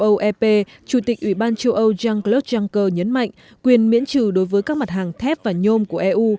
châu âu ep chủ tịch ủy ban châu âu jean claude juncker nhấn mạnh quyền miễn trừ đối với các mặt hàng thép và nhôm của eu